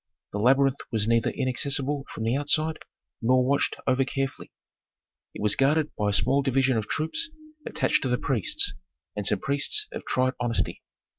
The labyrinth was neither inaccessible from the outside, nor watched over carefully; it was guarded by a small division of troops attached to the priests, and some priests of tried honesty.